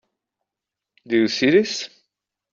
Do you see this?